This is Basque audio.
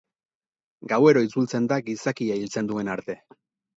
Gauero itzultzen da gizakia hiltzen duen arte.